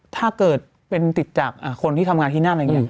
ถ้าเกิดเป็นติดจากคนที่ทำงานที่นั่นอะไรอย่างนี้